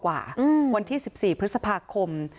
วันที่๑๔พฤษภาคม